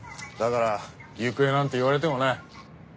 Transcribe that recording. だから行方なんて言われてもね。